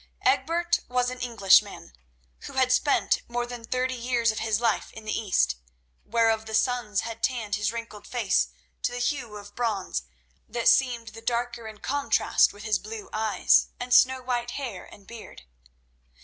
Egbert was an Englishman who had spent more than thirty years of his life in the East, whereof the suns had tanned his wrinkled face to the hue of bronze, that seemed the darker in contrast with his blue eyes and snow white hair and beard.